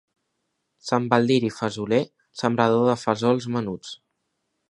Sant Baldiri fesoler, sembrador de fesols menuts.